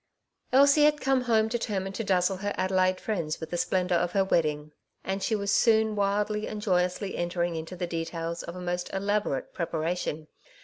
Elsie had come home determined to dazzle her Adelaide friends with the splendour of her wedding, and she was soon wildly and joyously entering into the details of a most elaborate preparation.